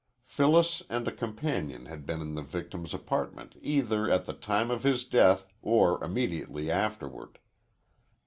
Phyllis and a companion had been in the victim's apartment either at the time of his death or immediately afterward.